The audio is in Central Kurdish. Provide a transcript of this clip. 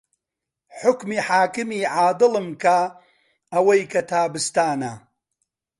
حوکمی حاکمی عادڵم کا ئەوەی کە تابستانە